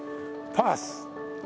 パス。